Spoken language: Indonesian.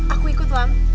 aku ikut bang